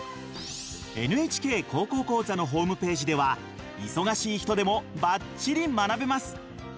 「ＮＨＫ高校講座」のホームページでは忙しい人でもばっちり学べます。